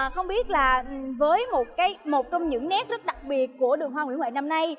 không biết là với một trong những nét rất đặc biệt của đường hoa nguyễn huệ năm nay